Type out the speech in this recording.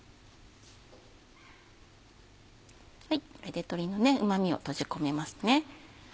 これで鶏のうま味を閉じ込めますね。